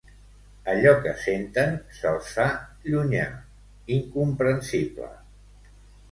Allò que senten se'ls fa llunya, incomprensible.